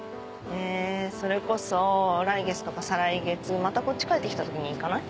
それこそ来月とか再来月またこっち帰ってきた時に行かない？